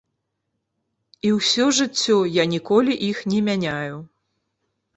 І ўсё жыццё я ніколі іх не мяняю.